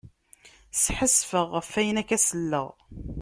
Sḥassfeɣ ɣef ayen akka selleɣ.